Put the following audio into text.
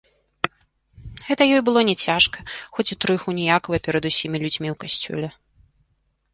Гэта ёй было не цяжка, хоць і троху ніякава перад усімі людзьмі ў касцёле.